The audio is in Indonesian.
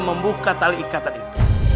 membuka tali ikatan itu